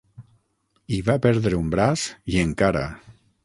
Hi va perdre un braç, i encara!